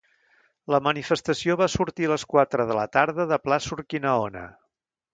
La manifestació va sortir a les quatre de la tarda de Plaça Urquinaona.